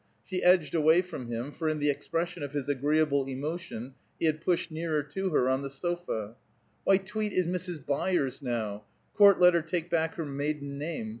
She edged away from him, for in the expression of his agreeable emotion he had pushed nearer to her on the sofa. "Why, Tweet is Mrs. Byers, now; court let her take back her maiden name.